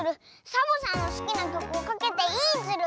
サボさんのすきなきょくをかけていいズル！